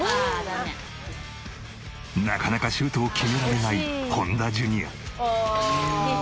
なかなかシュートを決められない本田ジュニア。